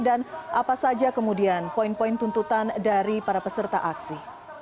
dan apa saja kemudian poin poin tuntutan dari para peserta aksi